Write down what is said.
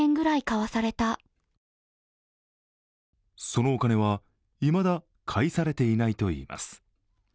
そのお金はいまだ返されていないといいます。